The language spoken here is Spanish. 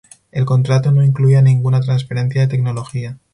El contrato no incluía ninguna transferencia de tecnología.